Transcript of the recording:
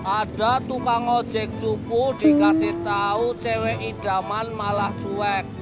ada tukang ojek cuku dikasih tahu cewek idaman malah cuek